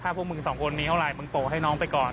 พวกมึงสองคนมีเท่าไรมึงโปะให้น้องไปก่อน